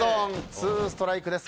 ツーストライクです。